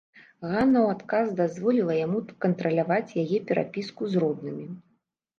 Ганна ў адказ дазволіла яму кантраляваць яе перапіску з роднымі.